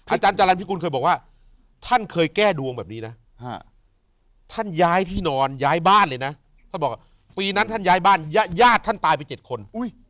อาจารย์จรรย์พิกุลเคยบอกว่าท่านเคยแก้ดวงแบบนี้นะท่านย้ายที่นอนย้ายบ้านเลยนะท่านบอกว่าปีนั้นท่านย้ายบ้านญาติท่านตายไป๗คน